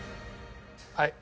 はい。